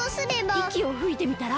いきをふいてみたら？